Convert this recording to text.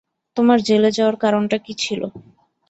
তোমার জেলে যাওয়ার কারণটা কী ছিলো?